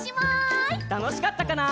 たのしかったかな？